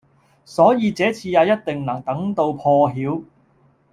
所以這次也一定能等到破曉